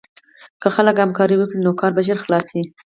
که خلک همکاري وکړي، نو کار به ژر خلاص شي.